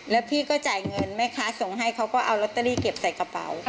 และพี่ก็จ่ายเงินไหมคะส่งให้เค้าก็เอาร็อเตอรี่เก็บในกระเป๋า